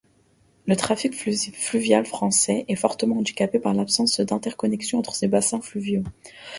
Le trafic fluvial français est fortement handicapé par l'absence d'interconnexions entre ses bassins fluviaux.